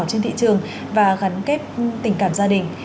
trên thị trường và gắn kết tình cảm gia đình